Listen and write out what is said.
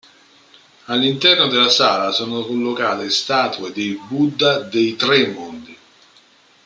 All'interno della Sala sono collocate statue dei Buddha dei Tre Mondi.